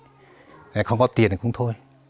thì không có tiền thì cũng thôi